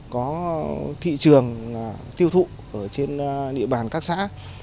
có thị trường tiêu thụ ở trên địa bàn các xã